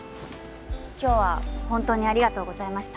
今日はホントにありがとうございました